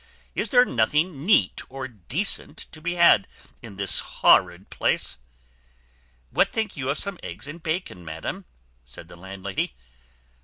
Is there nothing neat or decent to be had in this horrid place?" "What think you of some eggs and bacon, madam?" said the landlady.